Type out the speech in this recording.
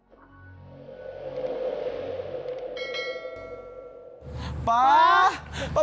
pak pak pak